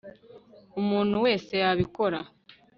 umuntu wese yabikora